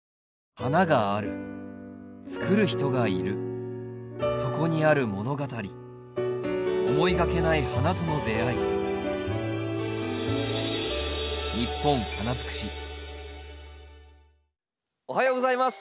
花があるつくる人がいるそこにある物語思いがけない花との出会いおはようございます。